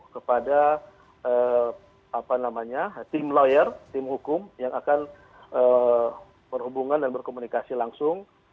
kepada tim lawyer tim hukum yang akan berhubungan dan berkomunikasi langsung